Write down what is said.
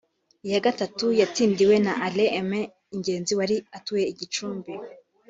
Iya gatatu yatsindiwe na Alain Aime Ingenzi wari atuye I Gicumbi